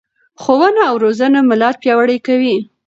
ښوونه او روزنه ملت پیاوړی کوي.